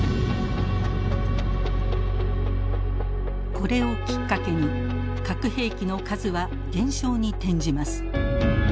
これをきっかけに核兵器の数は減少に転じます。